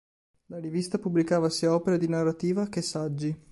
La rivista pubblicava sia opere di narrativa che saggi.